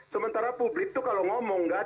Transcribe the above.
sementara publik itu kalau ngomong kan